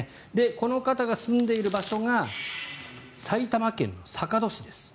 この方が住んでいる場所が埼玉県の坂戸市です。